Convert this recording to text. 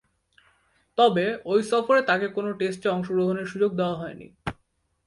তবে, ঐ সফরে তাকে কোন টেস্টে অংশগ্রহণের সুযোগ দেয়া হয়নি।